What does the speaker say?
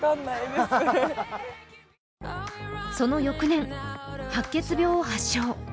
その翌年、白血病を発症。